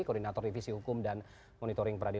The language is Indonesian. koordinator divisi hukum dan monitoring peradilan